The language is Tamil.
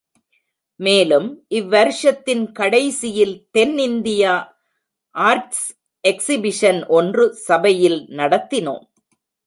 மேலும் இவ்வருஷத்தின் கடைசியில் தென் இந்தியா ஆர்ட்ஸ் எக்சிபிஷன் ஒன்று சபையில் நடத்தினோம்.